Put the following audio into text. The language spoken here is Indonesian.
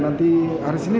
nanti hari sini